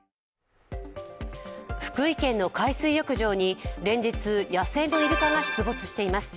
福井県の海水浴場に連日、野生のイルカが出没しています。